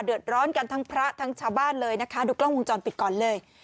เดือดร้อนกันทั้งพระทั้งชาวบ้านเลยนะคะดูกล้องวงจรปิดก่อนเลย